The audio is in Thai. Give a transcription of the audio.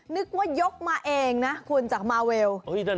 นึกว่ายกมาเองนะคุณจากมาเวล